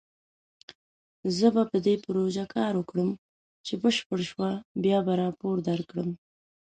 زه به په دې پروژه کار وکړم، چې بشپړ شو بیا به راپور درکړم